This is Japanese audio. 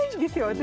私。